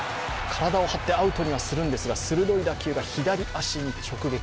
体を張ってアウトにはするんですが、鋭い打球が左足に直撃。